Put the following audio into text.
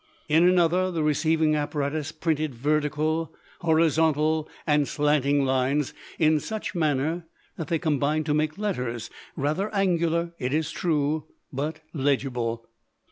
In another the receiving apparatus printed vertical, horizontal, and slanting lines in such manner that they combined to make letters, rather angular, it is true, but legible.